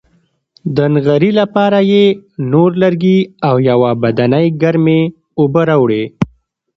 د نغري لپاره یې نور لرګي او یوه بدنۍ ګرمې اوبه راوړې.